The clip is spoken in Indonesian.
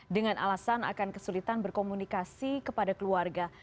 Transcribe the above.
dengan alasan akan kesulitan berkomunikasi kepada keluarga